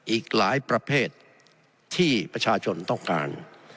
อีกหลายประเภทที่ประชาชนต้องการ